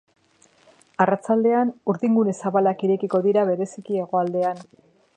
Arratsaldean urdingune zabalak irekiko dira, bereziki hegoaldean.